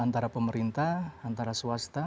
antara pemerintah antara swasta